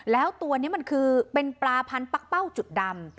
แล้วตัวนี้มันคือเป็นปลาพันธักเป้าจุดดำ